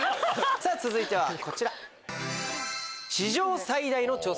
続いてはこちら。